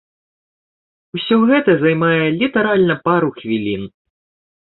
Усё гэта займае літаральна пару хвілін.